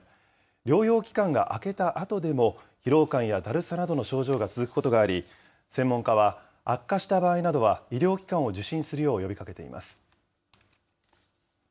療養期間が明けたあとでも、疲労感やだるさなどの症状が続くことがあり、専門家は、悪化した場合などは医療機関を受診するよう呼びかけています。